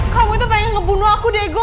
kamu itu pengen ngebunuh aku diego